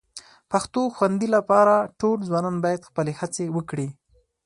پښتو خوندي لپاره ټول ځوانان باید خپلې هڅې وکړي